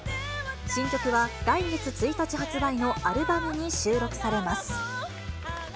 新曲は来月１日発売のアルバムに収録されます。